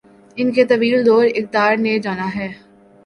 ان کے طویل دور اقتدار نے جانا ہے۔